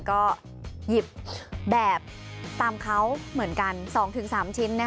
ก็หยิบแบบตามเขาเหมือนกัน๒๓ชิ้น